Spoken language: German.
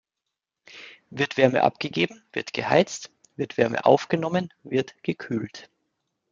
Wird Wärme abgegeben, wird geheizt, wird Wärme aufgenommen, wird gekühlt.